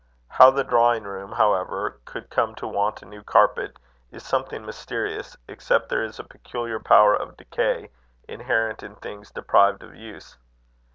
How the drawing room, however, could come to want a new carpet is something mysterious, except there is a peculiar power of decay inherent in things deprived of use.